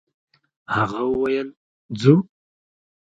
هغه وويل: «ځو!»